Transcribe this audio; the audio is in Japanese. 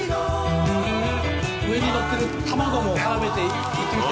上に載ってる卵も絡めていってみて。